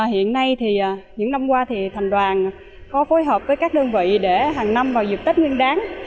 hiện nay thì những năm qua thì thành đoàn có phối hợp với các đơn vị để hàng năm vào dịp tết nguyên đáng